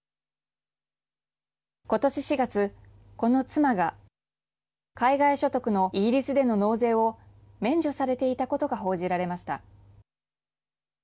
今年４月、この妻が海外所得のイギリスでの納税を免除されていたことが報じられました。